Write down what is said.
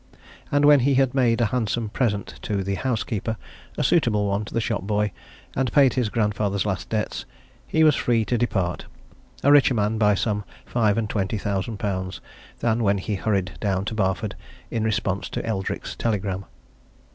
And when he had made a handsome present to the housekeeper, a suitable one to the shop boy, and paid his grandfather's last debts, he was free to depart a richer man by some five and twenty thousand pounds than when he hurried down to Barford in response to Eldrick's telegram.